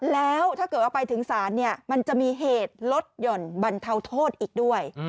แล้วถ้าเกิดว่าไปถึงศาลเนี่ยมันจะมีเหตุลดหย่อนบรรเทาโทษอีกด้วย